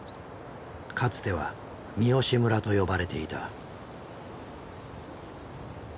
かつては「三義村」と呼ばれていた。